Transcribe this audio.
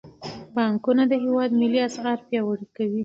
بانکونه د هیواد ملي اسعار پیاوړي کوي.